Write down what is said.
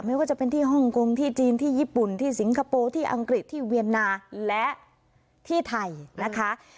ไม่ว่าจะเป็นที่ฮ่องกงที่จีนที่ญี่ปุ่นที่สิงคโปร์ที่อังกฤษที่เวียนนาและที่ไทยนะคะ